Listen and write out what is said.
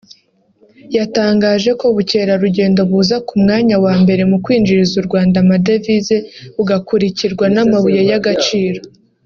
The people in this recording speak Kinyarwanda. yatangaje ko ubukerarugendo buza ku mwanya wa mbere mu kwinjiriza u Rwanda amadevize bugakurikirwa n’amabuye y’agaciro